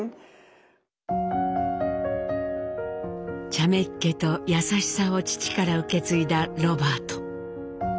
ちゃめっ気と優しさを父から受け継いだロバート。